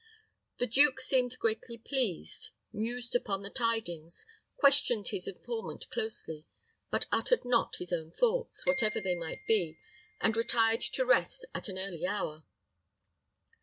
The duke seemed greatly pleased, mused upon the tidings, questioned his informant closely, but uttered not his own thoughts, whatever they might be, and retired to rest at an early hour.